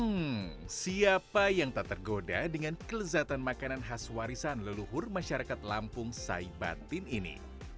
hmm siapa yang tak tergoda dengan kelezatan makanan khas warisan leluhur masyarakat lampung saibatin ini